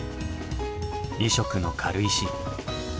２色の軽石。